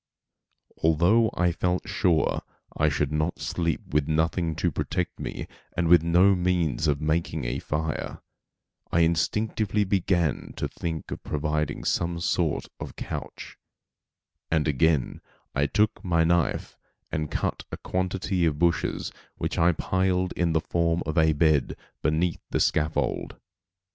Although I felt sure I should not sleep with nothing to protect me and with no means of making a fire, I instinctively began to think of providing some sort of couch; and again I took my knife and cut a quantity of bushes which I piled in the form of a bed beneath the scaffold.